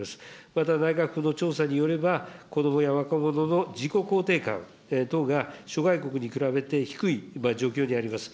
また内閣府の調査によれば、子どもや若者の自己肯定感等が諸外国に比べて低い状況にあります。